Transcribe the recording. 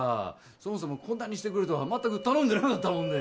そもそもこんなにしてくれとは全く頼んでなかったもんで。